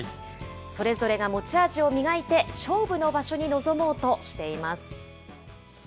それぞれが持ち味を磨いて勝負の場所に臨もうとしています。